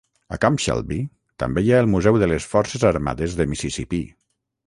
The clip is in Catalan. A Camp Shelby també hi ha el Museu de les Forces Armades de Mississipí.